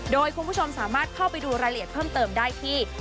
โดยคุณผู้ชมสามารถเข้าไปดูรายละเอียดเพิ่มเติมได้ที่